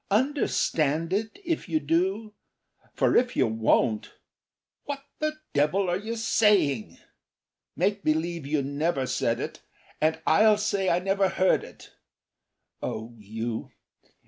Understand it, if you do; for if you won't. ... What the devil are you saying! Make believe you never said it, And I'll say I never heard it. ... Oh, you. ..